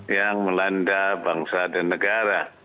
yang melanda bangsa dan negara